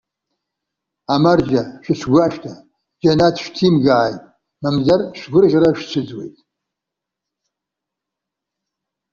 Амарџьа, шәыҽгәашәҭа, џьанаҭ шәҭимгааит, мамзар шәгәырӷьара шәцәыӡуеит.